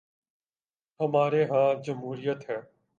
ہمارے ہاں جمہوریت ہے۔